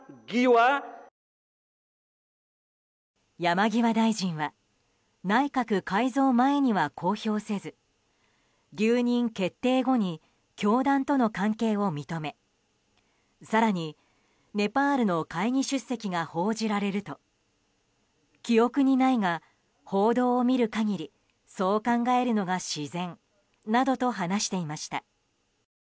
山際大臣は内閣改造前には公表せず留任決定後に教団との関係を認め更に、ネパールの会議出席が報じられると記憶にないが、報道を見る限りそう考えるのが自然などと話していました。